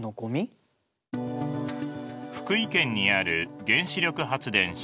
福井県にある原子力発電所。